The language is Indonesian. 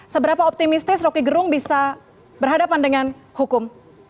seberapa optimistis roky gerung bisa berhadapan dengan hukum